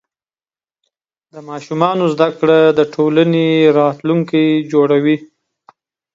د ماشومانو زده کړه د ټولنې راتلونکی جوړوي.